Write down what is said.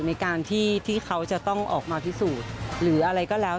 ในการที่เขาจะต้องออกมาพิสูจน์หรืออะไรก็แล้ว